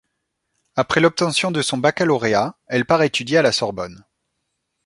Après l'obtention de son baccalauréat, elle part étudier à la Sorbonne.